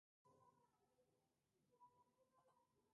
Para la promoción de "Bangerz", se publicaron tres sencillos comerciales.